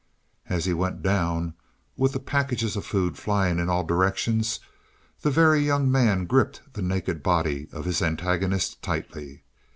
As he went down, with the packages of food flying in all directions, the Very Young Man gripped the naked body of his antagonist tightly.